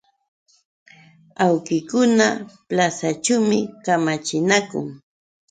Awkikuna plasaćhuumi kamachinakun.